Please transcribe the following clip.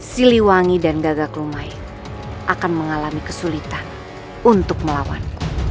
siliwangi dan gagak rumai akan mengalami kesulitan untuk melawan